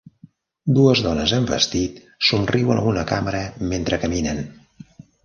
dues dones amb vestit somriuen a una càmera mentre caminen.